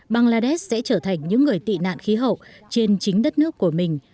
bangladesh sẽ trở thành những người tị nạn khí hậu trên chính đất nước của mình